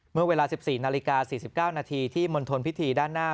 เมื่อเวลา๑๔นาฬิกา๔๙นาทีที่มณฑลพิธีด้านหน้า